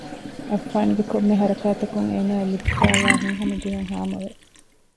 އައްފާންގެ ކޮންމެ ހަރަކާތަކުން އޭނާއަށް ލިބިފައިވާ ހިތްހަމަޖެހުން ހާމަވެ